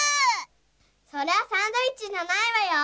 それはサンドイッチじゃないわよ。